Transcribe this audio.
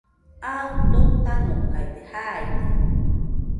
Aɨ dotanokaide jaide